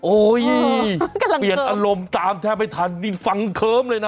เปลี่ยนอารมณ์ตามแทบไม่ทันนี่ฟังเคิ้มเลยนะ